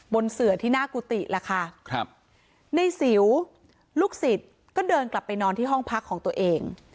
เสือที่หน้ากุฏิล่ะค่ะครับในสิวลูกศิษย์ก็เดินกลับไปนอนที่ห้องพักของตัวเอง